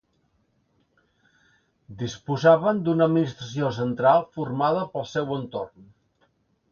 Disposaven d'una administració central formada pel seu entorn.